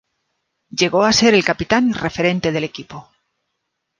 Llegó a ser el capitán y referente del equipo.